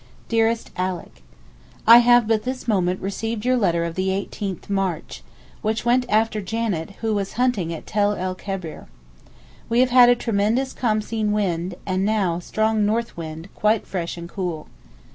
DEAREST ALICK, I have but this moment received your letter of the 18th March, which went after Janet, who was hunting at Tel el Kebir. We have had a tremendous Khamseen wind, and now a strong north wind quite fresh and cool.